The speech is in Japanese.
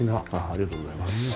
ありがとうございます。